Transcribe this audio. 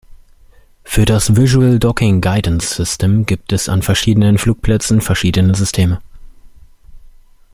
Für das Visual docking guidance system gibt es an verschiedenen Flugplätzen verschiedene Systeme.